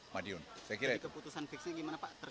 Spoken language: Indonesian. jadi keputusan fixnya gimana pak